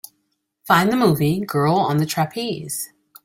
Find the movie Girl on the Trapeze